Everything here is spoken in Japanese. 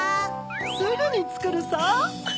すぐにつくるさ！